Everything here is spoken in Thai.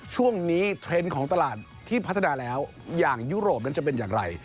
เทรนด์ของตลาดที่พัฒนาแล้วอย่างยุโรปนั้นจะเป็นอย่างไร